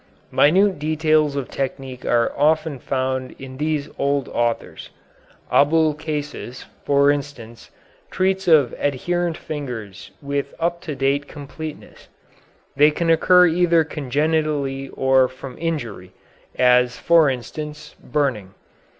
Minute details of technique are often found in these old authors. Abulcasis, for instance, treats of adherent fingers with up to date completeness. They can occur either congenitally or from injury, as, for instance, burning.